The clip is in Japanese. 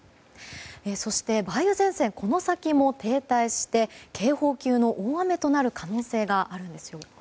そして、梅雨前線はこのあとも停滞して、警報級の大雨となる可能性があるんですよ。